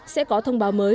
sẽ có thông báo mới